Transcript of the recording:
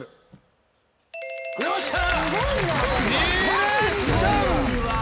よっしゃ！